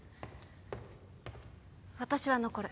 私は残る。